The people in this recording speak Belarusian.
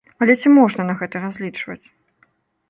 Але ці можна на гэта разлічваць?